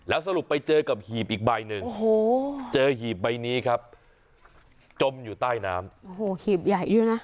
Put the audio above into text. แล้วสรุปไปเจอกับหีบอีกใบนึงจ้อยหีบในนี้ครับจมอยู่ใต้น้ำผิวใหญ่เลยนะ